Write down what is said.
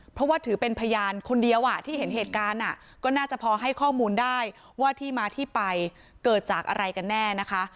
เพราะว่าถือเป็นพยานคนเดียวที่เห็นเหตุการณ์ก็น่าจะพอให้ข้อมูลได้ว่าที่มาที่ไปเกิดจากอะไรกันแน่นะคะ